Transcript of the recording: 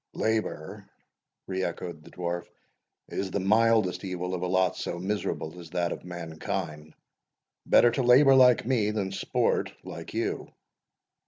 "Labour," re echoed the Dwarf, "is the mildest evil of a lot so miserable as that of mankind; better to labour like me, than sport like you."